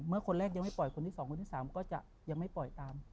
คนแรกยังไม่ปล่อยคนที่๒คนที่๓ก็จะยังไม่ปล่อยตาม